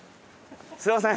すみません。